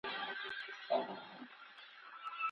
چي په تا یې رنګول زاړه بوټونه